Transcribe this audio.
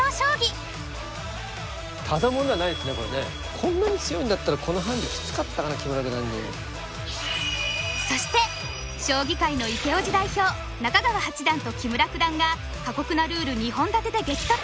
こんなに強いんだったらそして将棋界のイケオジ代表中川八段と木村九段が過酷なルール２本立てで激突！